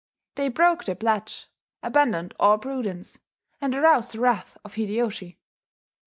They broke their pledge, abandoned all prudence, and aroused the wrath of Hideyoshi.